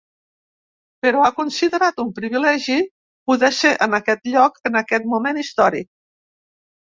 Però ha considerat un privilegi poder ser en aquest lloc en aquest moment històric.